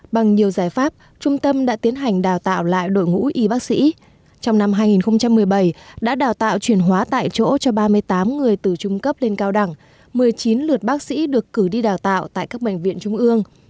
bằng nhiều giải pháp trung tâm đã tiến hành đào tạo lại đội ngũ y bác sĩ trong năm hai nghìn một mươi bảy đã đào tạo chuyển hóa tại chỗ cho ba mươi tám người từ trung cấp lên cao đẳng một mươi chín lượt bác sĩ được cử đi đào tạo tại các bệnh viện trung ương